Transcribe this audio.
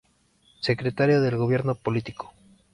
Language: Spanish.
Secretario del Gobierno Político.